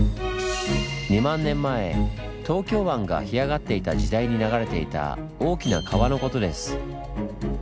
２万年前東京湾が干上がっていた時代に流れていた大きな川のことです。